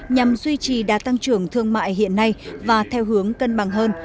nhằm duy trì đa tăng trưởng thương mại hiện nay và theo hướng cân bằng hơn